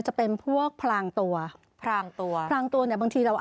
หนอนสวยงามเหรอน่ารัก